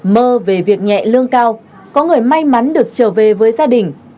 mơ về việc nhẹ lương cao có người may mắn được trở về với gia đình